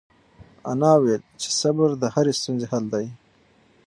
انا وویل چې صبر د هرې ستونزې حل دی.